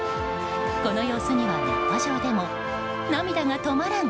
この様子にはネット上でも涙が止まらん！